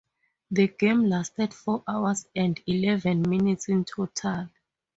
The game lasted four hours and eleven minutes in total.